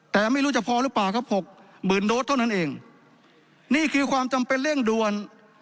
แต่ไม่รู้จะพอหรือเปล่าครับหกหมื่นโดสเท่านั้นเองนี่คือความจำเป็นเร่งด่วน